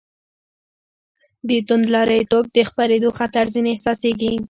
د توندلاریتوب د خپرېدو خطر ځنې احساسېږي.